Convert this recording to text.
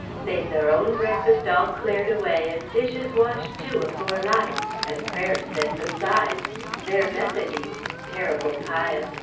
They'd their own breakfast all clared away, 'n' dishes washed, too, afore light; 'n' prayers said beside; they're Methodys, terrible pious.